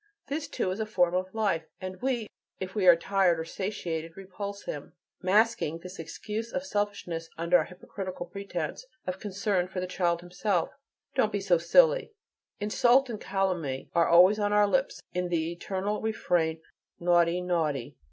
This, too, is a form of life. And we, if we are tired or satiated, repulse him, masking this excess of selfishness under a hypocritical pretense of concern for the child himself: "Don't be so silly!" Insult and calumny are always on our lips in the eternal refrain: "Naughty, naughty."